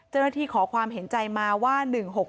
เจ้าหน้าที่ขอความเห็นใจมาว่า